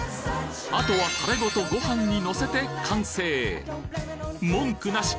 あとはタレごとご飯にのせて完成文句なし！